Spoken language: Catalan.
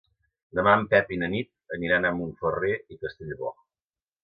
Demà en Pep i na Nit aniran a Montferrer i Castellbò.